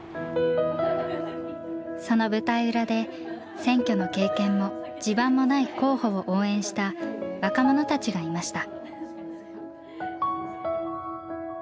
その舞台裏で選挙の経験も地盤もない候補を応援した若者たちがいました。